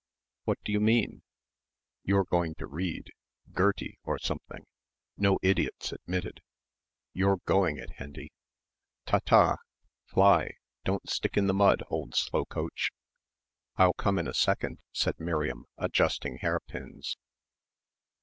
"What do you mean?" "You're going to read Gerty, or something no idiots admitted. You're going it, Hendy. Ta ta. Fly! Don't stick in the mud, old slow coach." "I'll come in a second," said Miriam, adjusting hairpins.